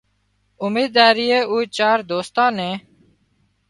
امينۮارئي او چارئي دوستان نين